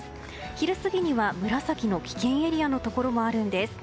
昼過ぎには紫の危険エリアのところもあるんです。